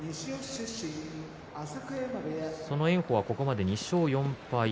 その炎鵬はここまで２勝４敗。